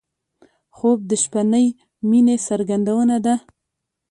خوب د شپهنۍ مینې څرګندونه ده